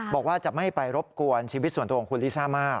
บอกว่าจะไม่ไปรบกวนชีวิตส่วนตัวของคุณลิซ่ามาก